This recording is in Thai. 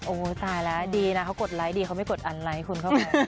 โอ้โหตายแล้วดีนะเขากดไลค์ดีเขาไม่กดอันไลค์คนเข้าไป